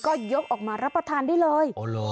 ก็ยกออกมารับประทานได้เลย